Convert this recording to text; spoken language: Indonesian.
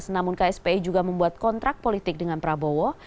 namun kspi juga membuat kontrak politik dengan prabowo